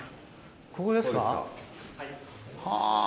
ここですかはぁ。